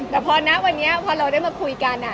แต่พอนี้พอเรามาคุยกันอ่ะ